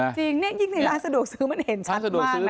จริงนี่ยิ่งในร้านสะดวกซื้อมันเห็นชัดมากนะ